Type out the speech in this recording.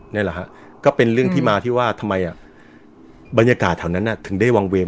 นี่แหละฮะก็เป็นเรื่องที่มาที่ว่าทำไมบรรยากาศแถวนั้นถึงได้วางเวง